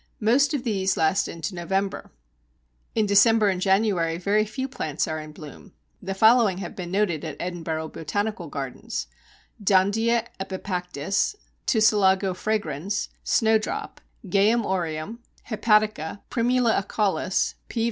Most of these last into November. In December and January very few plants are in bloom. The following have been noted at Edinburgh Botanical Gardens: Dondia epipactis, Tussilago fragrans, Snowdrop, Geum aureum, Hepatica, Primula acaulis, _P.